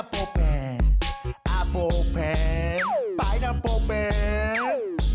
เป็นไพรนัปเบิ้ลอัปโฟแปน